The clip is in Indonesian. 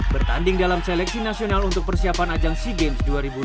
bertanding dalam seleksi nasional untuk persiapan ajang sea games dua ribu dua puluh tiga